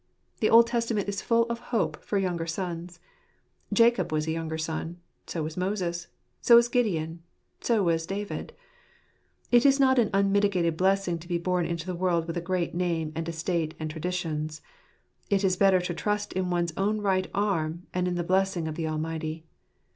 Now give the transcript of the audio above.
The Old Testament is full of hope for younger sons: Jacob was a younger son; so was Moses; so was Gideon ; so was David. It is not an unmitigated blessing to be born into the world with a great name and estate and traditions; it is better to trust in one's own right arm and in the blessing of the Almighty.